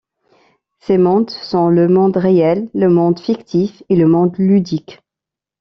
Ces mondes sont le monde réel, le monde fictif et le monde ludique.